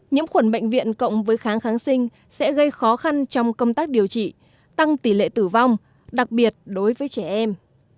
nhiễm khuẩn bệnh viện cộng với kháng kháng sinh sẽ gây khó khăn trong công tác điều trị tăng tỷ lệ tử vong đặc biệt đối với trẻ em